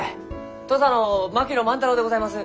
土佐の槙野万太郎でございます。